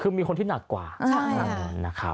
คือมีคนที่หนักกว่าใช่ค่ะ